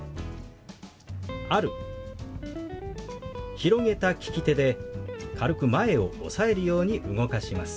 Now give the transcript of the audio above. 広げた利き手で軽く前を押さえるように動かします。